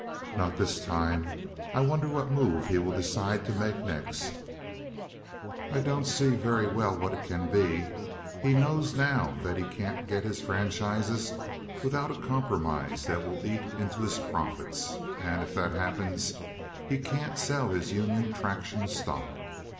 "Not this time. I wonder what move he will decide to make next." "I don't see very well what it can be. He knows now that he can't get his franchises without a compromise that will eat into his profits, and if that happens he can't sell his Union Traction stock.